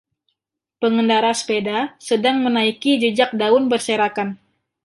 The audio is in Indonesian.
Pengendara sepeda sedang menaiki jejak daun berserakan.